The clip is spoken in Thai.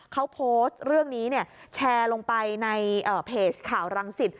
เขาโพสต์เรื่องนี้แชร์ลงไปในเพจข่าวรังสิต